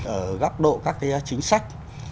ở góc độ các cái chính sách